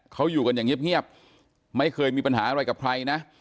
เขาอยู่กันอย่างเงียบไม่เคยมีปัญหาอะไรกับใครนะ